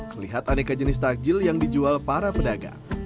melihat aneka jenis takjil yang dijual para pedagang